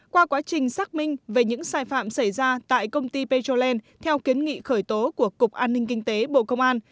qua quá trình xác minh về những sai phạm xảy ra tại công ty petrolen theo kiến nghị khởi tố của cục an ninh kinh tế bộ công an